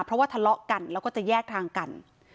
เพราะว่าทะเลาะกันแล้วก็จะแยกทางกัน